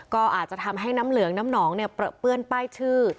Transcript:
ก็อาจจะทำให้น้ำเหลืองน้ำหนองเปลือเปื้อนป้ายชื่อ